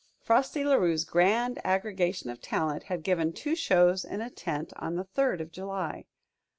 Frosty La Rue's grand aggregation of talent had given two shows in a tent on the third of July.